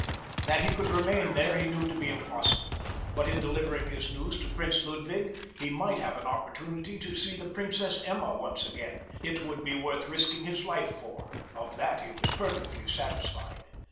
That he could remain there he knew to be impossible, but in delivering his news to Prince Ludwig he might have an opportunity to see the Princess Emma once again—it would be worth risking his life for, of that he was perfectly satisfied.